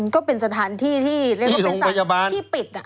ก็เป็นสถานที่ที่เรียกว่าเป็นที่ปิด